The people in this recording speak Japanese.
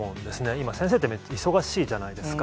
今先生って忙しいじゃないですか。